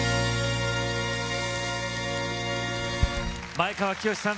前川清さん